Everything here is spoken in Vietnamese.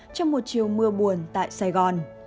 trong một chiều mưa buồn tại sài gòn